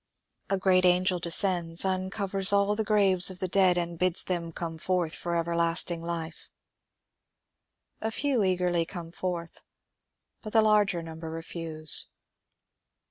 A great angel descends, uncovers all the graves HENRY BACON 273 of the dead, and bids them come forth for everlasting life. A few eagerly come forth, but the larger number refuse.